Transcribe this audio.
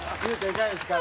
いかがですか？